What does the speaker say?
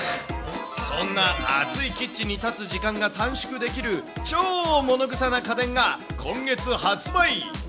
そんな暑いキッチンに立つ時間が短縮できる超ものぐさな家電が、今月発売。